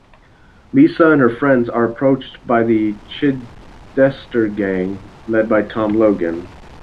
Lisa and her friends are approached by the "Chidester Gang", led by Tom Logan.